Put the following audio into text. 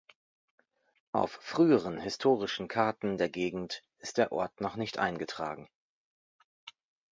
Auf früheren historischen Karten der gegend ist der Ort noch nicht eingetragen.